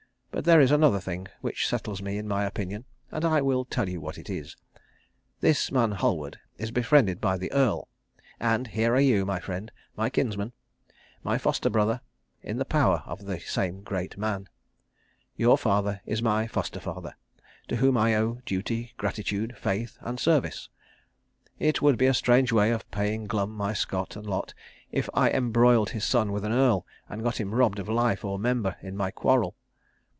But there is another thing, which settles me in my opinion, and I will tell you what it is. This man Halward is befriended by the Earl; and here are you, my friend, my kinsman, my foster brother, in the power of the same great man. Your father is my foster father, to whom I owe duty, gratitude, faith and service. It would be a strange way of paying Glum my scot and lot if I embroiled his son with an Earl, and got him robbed of life or member in my quarrel.